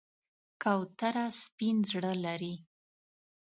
کوتره سپین زړه لري.